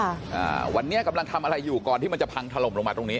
อ่าวันนี้กำลังทำอะไรอยู่ก่อนที่มันจะพังถล่มลงมาตรงนี้